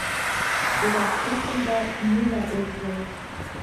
Севастополдә мина өҙҙө.